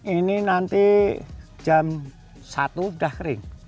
ini nanti jam satu sudah kering